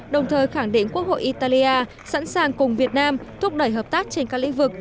đồng thời khẳng định quốc hội italia sẵn sàng cùng việt nam thúc đẩy hợp tác trên các lĩnh vực